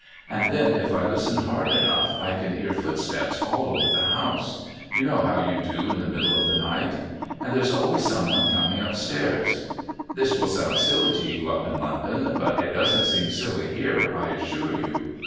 And then if I listen hard enough, I can hear footsteps all over the house you know how you do in the middle of the night. And there's always some one coming upstairs. This will sound silly to you up in London, but it doesn't seem silly here, I assure you.